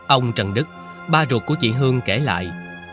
ông trần đức ba ruột của chị hương kể lại